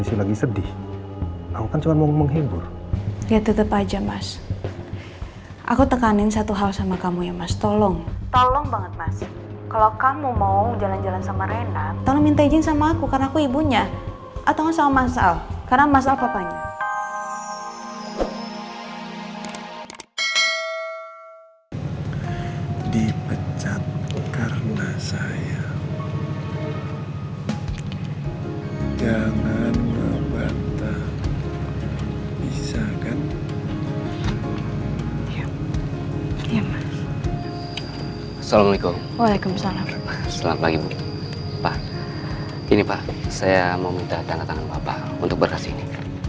saya mau minta tanda tangan bapak untuk berkas ini